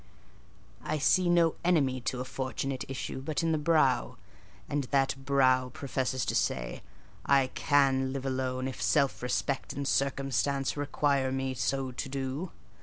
"I see no enemy to a fortunate issue but in the brow; and that brow professes to say,—'I can live alone, if self respect, and circumstances require me so to do.